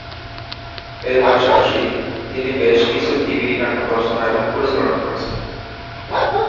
এর পাশাপাশি তিনি বেশ কিছু টিভি নাটক রচনা এবং পরিচালনা করেছেন।